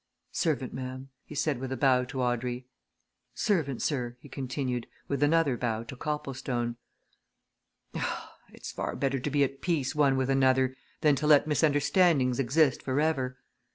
"Servant, ma'am," he said with a bow to Audrey. "Servant, sir," he continued, with another bow to Copplestone. "Ah it's far better to be at peace one with another than to let misunderstandings exist for ever. Mr.